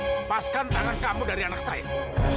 lepaskan anak kamu dari anak saya